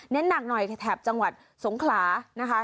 หนักหน่อยแถบจังหวัดสงขลานะคะ